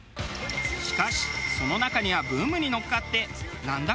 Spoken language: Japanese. しかしその中にはブームに乗っかってなんだ？